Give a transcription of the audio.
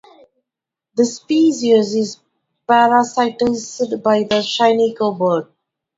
This species is parasitised by the shiny cowbird.